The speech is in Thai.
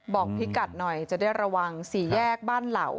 บอกพี่กัดหน่อยจะได้ระวังสี่แยกบ้านเหล่า